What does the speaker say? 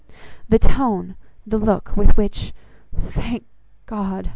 The tone, the look, with which "Thank God!"